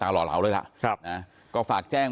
ทางรองศาสตร์อาจารย์ดรอคเตอร์อัตภสิตทานแก้วผู้ชายคนนี้นะครับ